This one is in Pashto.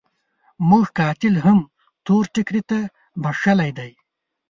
موږ قاتل هم تور ټکري ته بخښلی دی.